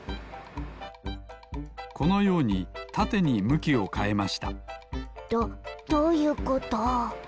このようにたてにむきをかえましたどどういうこと？